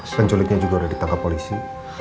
kan culiknya juga udah ditangkap polisi